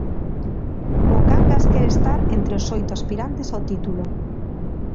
O Cangas quere estar entre os oito aspirantes ao título.